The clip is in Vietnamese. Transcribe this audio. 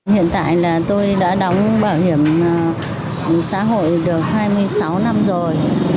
hiện tại là tôi đã đóng bảo hiểm xã hội được hai mươi sáu năm rồi